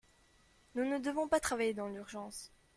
Nous ne devons pas travailler dans l’urgence.